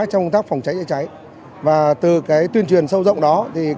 trong công tác phòng cháy chữa cháy và từ tuyên truyền sâu rộng đó